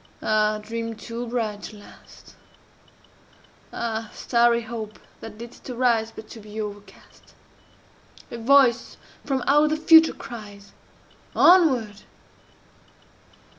Ah, dream too bright to last! Ah, starry Hope, that didst arise But to be overcast! A voice from out the Future cries, "Onward!"